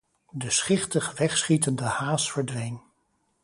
De schichtig wegschietende haas verdween.